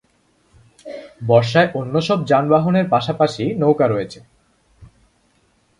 বর্ষায় অন্যসব যানবাহনের পাশাপাশি নৌকা রয়েছে।